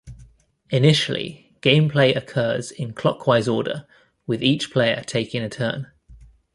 Initially, gameplay occurs in clockwise order, with each player taking a turn.